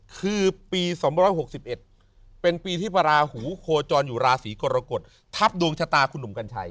คือปี๒๖๑เป็นปีที่พระราหูโคจรอยู่ราศีกรกฎทับดวงชะตาคุณหนุ่มกัญชัย